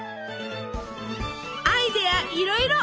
アイデアいろいろ！